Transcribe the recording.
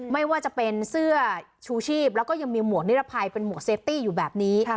ไม่ว่าจะเป็นเสื้อชูชีพแล้วก็ยังมีหมวกนิรภัยเป็นหมวกเซฟตี้อยู่แบบนี้